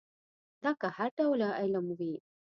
دا که هر ډول علم وي.